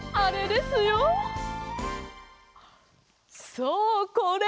そうこれ！